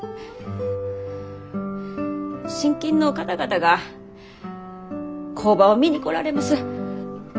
信金の方々が工場を見に来られます。